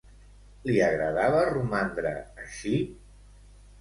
Li agradava romandre així?